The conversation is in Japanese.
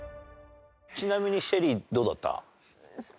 ちなみにＳＨＥＬＬＹどうだった？